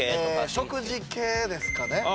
食事系ですかね。